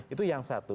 itu yang satu